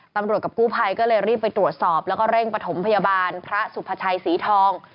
กับกู้ภัยก็เลยรีบไปตรวจสอบแล้วก็เร่งประถมพยาบาลพระสุภาชัยศรีทอง